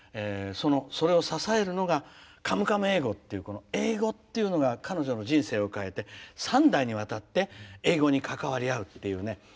それを支えるのが「カムカム英語」っていう英語っていうのが彼女の人生を変えて３代にわたって英語に関わり合うっていうね。